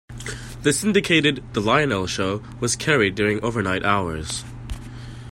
The syndicated The Lionel Show was carried during overnight hours.